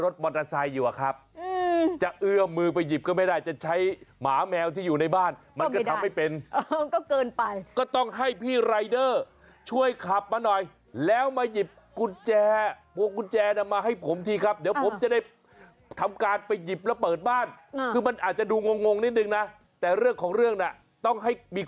สำคัญผู้ชมก็ส่งข้อความมาทักทายเราได้เหมือนเดิม